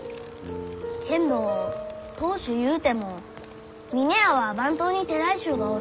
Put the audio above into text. けんど当主ゆうても峰屋は番頭に手代衆がおる。